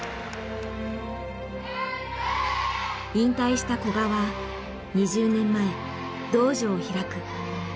引退した古賀は２０年前道場を開く。